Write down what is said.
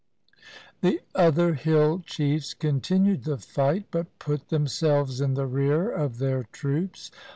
The other hill chiefs continued the fight, but put themselves in the rear of their troops.